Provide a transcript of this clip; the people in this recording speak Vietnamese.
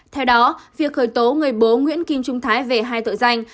theo đó việc khởi tố người bố nguyễn kim trung thái về hai tội danh